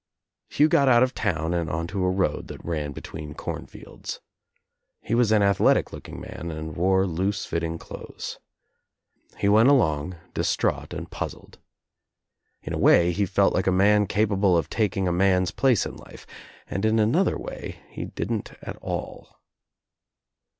Hugh got out of town and on to a road that ran between cornfields. He was an athletic looking man and wore loose fitting clothes. He went along dis traught and puzzled. In a way he felt like a man capable of taking a man's place in life and In another way he didn't at all.